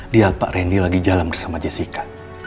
lihat pak randy lagi jalan bersama jessica